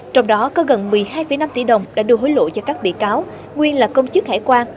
trong đó có gần một mươi hai năm tỷ đồng đã đưa hối lộ cho các bị cáo nguyên là công chức hải quan